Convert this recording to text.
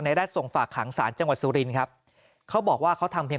รัฐส่งฝากขังศาลจังหวัดสุรินครับเขาบอกว่าเขาทำเพียง